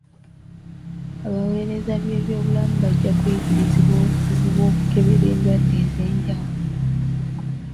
Abaweereza b'ebyobulamu bajja kuyigirizibwa obukugu bw'okukebera endwadde ez'enjawulo.